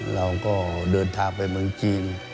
เราก็เดินทางไปเมืองจีน